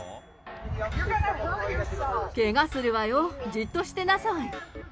けがするわよ、じっとしてなさい。